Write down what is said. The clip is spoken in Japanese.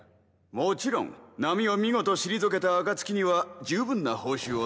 もちろん波を見事退けた暁には十分な報酬を差し上げます。